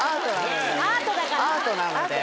アートなので。